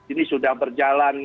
ini sudah berjalan